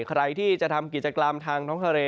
ใครที่จะทำกิจกรรมทางท้องทะเล